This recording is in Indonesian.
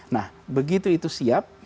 nah begitu itu siap